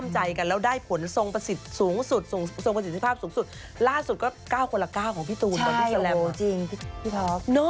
ใช่โอ้โหจริงพี่ท็อก